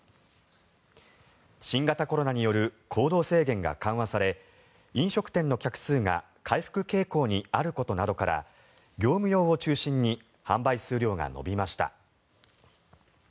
新型コロナによる行動制限が緩和され飲食店の客数が回復傾向にあることなどから業務用を中心に販売数量が伸びました。